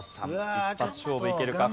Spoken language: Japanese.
一発勝負いけるか？